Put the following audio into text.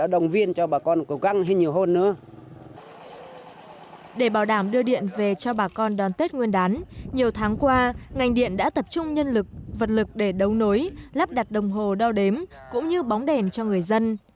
để bảo đảm đưa điện về cho bà con đón tết nguyên đán nhiều tháng qua ngành điện đã tập trung nhân lực vật lực để đấu nối lắp đặt đồng hồ đo đếm cũng như bóng đèn cho người dân